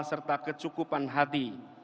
serta kecukupan hati